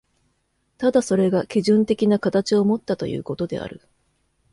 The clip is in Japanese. ただそれが基準的な形をもったということである。